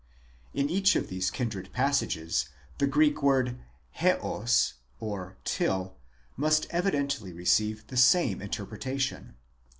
In each of these kindred passages the Greek word ἕως (1) must evidently receive the same interpretation.